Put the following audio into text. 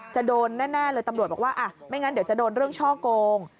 จะโดนแน่เลยตำรวจบอกว่าไม่งั้นเดี๋ยวจะโดนเรื่องช่อโกง